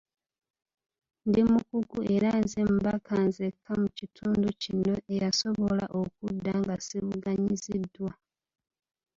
Ndi mukugu era nze mubaka nzekka mu kitundu kino eyasobola okudda nga sivuganyiziddwa.